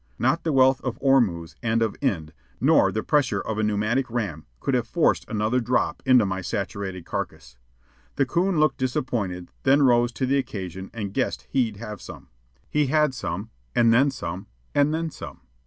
Not the wealth of Ormuz and of Ind, nor the pressure of a pneumatic ram, could have forced another drop into my saturated carcass. The coon looked disappointed, then rose to the occasion and guessed he'd have some. He meant it, too. He had some, and then some, and then some.